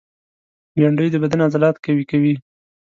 بېنډۍ د بدن عضلات قوي کوي